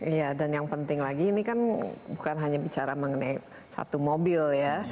iya dan yang penting lagi ini kan bukan hanya bicara mengenai satu mobil ya